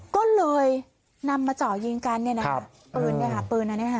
ก็เลยนำมาเจาะยิงกันเนี่ยนะคะปืนเนี่ยค่ะปืนอันนี้ค่ะ